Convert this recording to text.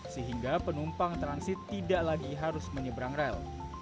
sehingga penumpang transit tidak lagi harus menyeberang rel